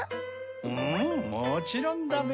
うんもちろんだべ。